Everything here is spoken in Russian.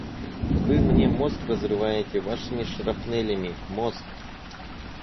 Вы мне мозг разрываете вашими шрапнелями, мозг!